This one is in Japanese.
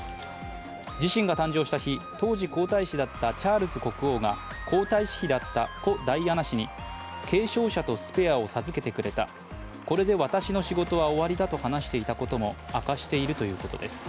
自身が誕生した日、当時皇太子だったチャールズ国王が皇太子妃だった故ダイアナ氏に継承者とスペアを授けてくれた、これで私の仕事は終わりだと話していたことも明かしているということです。